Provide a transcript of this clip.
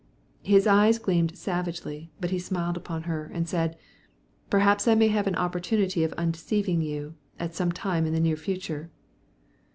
His eyes gleamed savagely, but he smiled upon her, and said, "Perhaps I may have an opportunity of undeceiving you, some time in the near future."